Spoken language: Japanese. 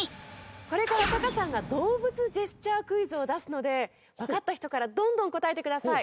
これからタカさんが動物ジェスチャークイズを出すのでわかった人からどんどん答えてください。